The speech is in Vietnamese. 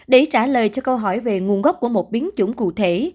để trả lời cho câu hỏi về nguồn gốc của một biến chủng cụ thể